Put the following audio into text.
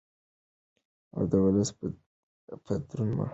او د ولس په دردونو مرهم کېږدو.